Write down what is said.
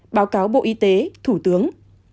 báo cáo bộ y tế thủ tướng